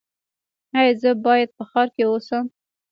ایا زه باید په ښار کې اوسم؟